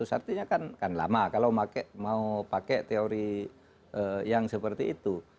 artinya kan lama kalau mau pakai teori yang seperti itu